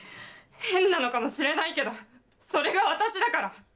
変なのかもしれないけどそれが私だから！